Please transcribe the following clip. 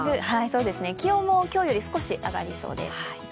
気温も今日より少し上がりそうです。